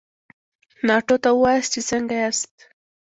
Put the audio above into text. ناټو ته ووایاست چې څنګه ياست؟